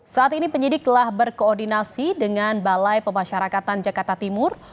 saat ini penyidik telah berkoordinasi dengan balai pemasyarakatan jakarta timur